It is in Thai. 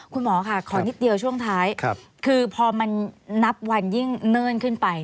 คุณหมอค่ะขอนิดเดียวช่วงท้ายคือพอมันนับวันยิ่งเนิ่นขึ้นไป